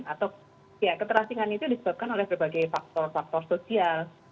atau ya keterasingan itu disebabkan oleh berbagai faktor faktor sosial